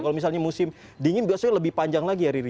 kalau misalnya musim dingin biasanya lebih panjang lagi ya riri